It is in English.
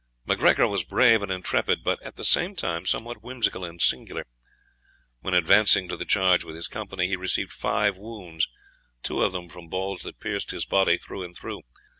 MacGregor was brave and intrepid, but at the same time, somewhat whimsical and singular. When advancing to the charge with his company, he received five wounds, two of them from balls that pierced his body through and through.